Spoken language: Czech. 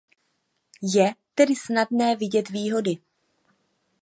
Je tedy snadné vidět výhody.